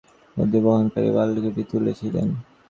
তিনি অন্যান্য শিষ্যদের সাথে নাসির উদ্দিনবহনকারী পালকিটি তুলে ছিলেন।